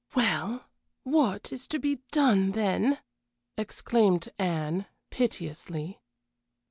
"Well, what is to be done, then?" exclaimed Anne, piteously.